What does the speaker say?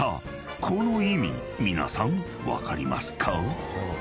［この意味皆さん分かりますか？］